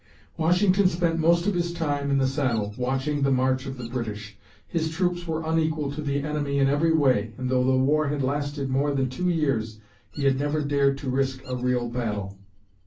Washington spent most of his time in the saddle, watching the march of the British. His troops were unequal to the enemy in every way, and though the war had lasted more than two years, he had never dared to risk a real battle.